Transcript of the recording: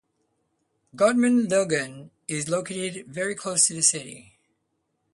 Gandoman Lagoon is located very close to this city.